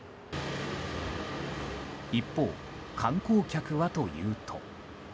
一方、観光客はというと。